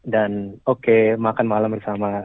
dan oke makan malam bersama